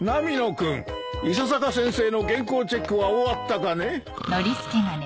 君伊佐坂先生の原稿チェックは終わったかね？